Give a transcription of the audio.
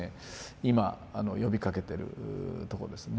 今呼びかけてるとこですね。